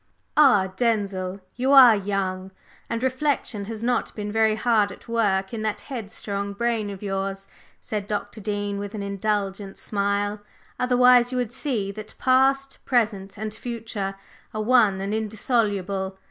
"Ah, Denzil, you are young, and reflection has not been very hard at work in that headstrong brain of yours," said Dr. Dean with an indulgent smile, "otherwise you would see that past, present and future are one and indissoluble.